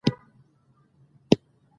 د افغانستان په منظره کې لعل ښکاره ده.